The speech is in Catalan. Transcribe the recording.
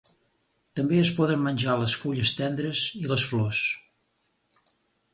També es poden menjar les fulles tendres i les flors.